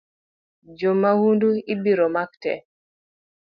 Jo maundu ibiro mak tee